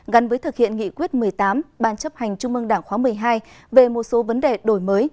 gắn với thực hiện nghị quyết một mươi tám ban chấp hành trung mương đảng khóa một mươi hai về một số vấn đề đổi mới